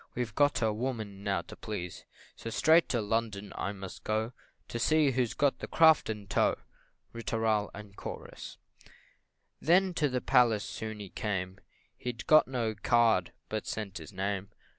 We've got a woman now to please So straight to London I must go, To see who's got the craft in tow. Ri tooral, &c. Then to the palace soon he came He'd got no card, but sent his name.